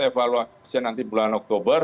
evaluasi nanti bulan oktober